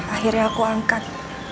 akhirnya aku angkat